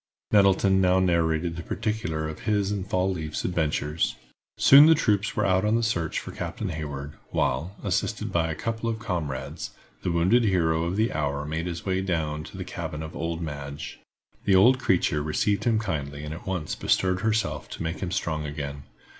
Nettleton now narrated the particulars of his and Fall leaf's adventures. Soon the troops were out on the search for Captain Hayward, while, assisted by a couple of comrades, the wounded hero of the hour made his way down to the cabin of old Madge. The old creature received him kindly and at once bestirred herself to make him strong again.